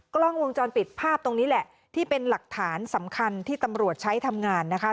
กล้องวงจรปิดภาพตรงนี้แหละที่เป็นหลักฐานสำคัญที่ตำรวจใช้ทำงานนะคะ